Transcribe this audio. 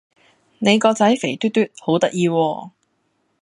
你個仔肥嘟嘟好得意喎